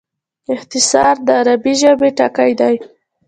اختصار د عربي ژبي ټکی دﺉ.